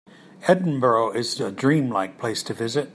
Edinburgh is a dream-like place to visit.